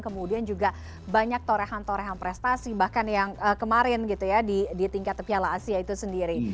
kemudian juga banyak torehan torehan prestasi bahkan yang kemarin gitu ya di tingkat piala asia itu sendiri